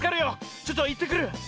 ちょっといってくる！